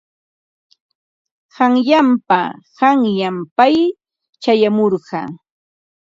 Qanyanpa qanyan pay chayamurqa.